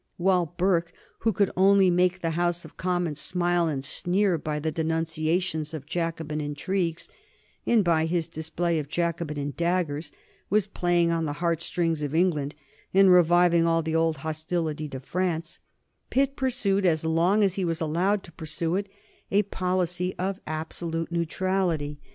While Burke, who could only make the House of Commons smile and sneer by his denunciations of Jacobin intrigues and his display of Jacobin daggers, was playing on the heart strings of England and reviving all the old hostility to France, Pitt pursued as long as he was allowed to pursue it a policy of absolute neutrality.